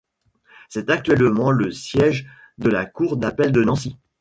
C'est actuellement le siège de la Cour d'appel de Nancy.